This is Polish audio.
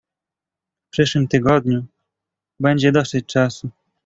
"W przyszłym tygodniu, będzie dosyć czasu."